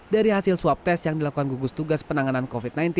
dari hasil swab test yang dilakukan gugus tugas penanganan covid sembilan belas